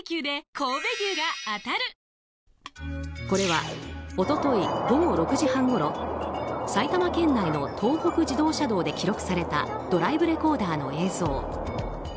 これは、一昨日午後６時半ごろ埼玉県内の東北自動車道で記録されたドライブレコーダーの映像。